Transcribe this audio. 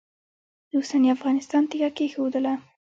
د اوسني افغانستان تیږه کښېښودله.